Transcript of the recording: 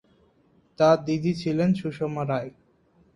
তার দিদি ছিলেন সুষমা রায়।